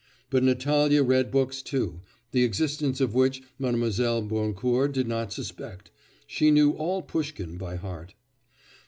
But Natalya read books too, the existence of which Mlle. Boncourt did not suspect; she knew all Pushkin by heart.